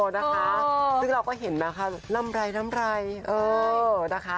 อ๋อนะคะซึ่งเราก็เห็นมาค่ะลำรายนะคะ